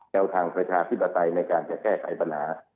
แนวทางประชาธิปไตยในการจะแก้ไขปัญหา